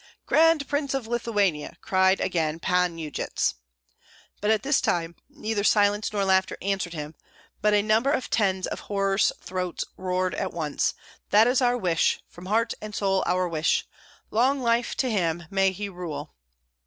"Grand Prince of Lithuania!" cried again Pan Yujits. But at this time neither silence nor laughter answered him; but a number of tens of hoarse throats roared at once, "That is our wish, from heart and soul our wish! Long life to him! May he rule!"